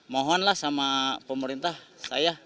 mohonlah sama pemerintah saya